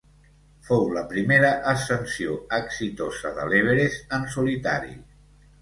Fou la primera ascensió exitosa de l'Everest en solitari.